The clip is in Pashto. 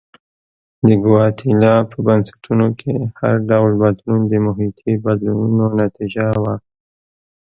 د ګواتیلا په بنسټونو کې هر ډول بدلون د محیطي بدلونونو نتیجه وه.